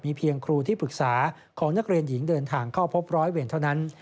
เพียงครูที่ปรึกษาของนักเรียนหญิงเดินทางเข้าพบร้อยเวรเท่านั้น